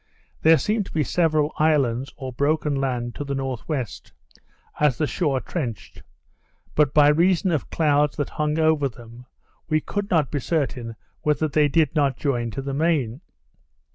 There seemed to be several islands, or broken land, to the N.W., as the shore trenched; but by reason of clouds that hung over them, we could not be certain whether they did not join to the main.